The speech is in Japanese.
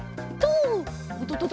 おととと。